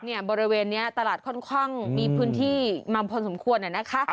เนี่ยบริเวณเนี่ยตลาดค่อนข้างมีพื้นที่มันพอสมควรเนี่ยนะคะ